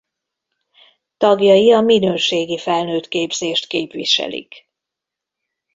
Tagjai a minőségi felnőttképzést képviselik.